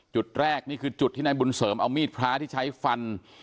จุดแรกนี่คือจุดที่นายบุญเสริมเอามีดพระที่ใช้ฟัน